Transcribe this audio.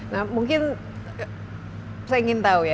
nah mungkin saya ingin tahu ya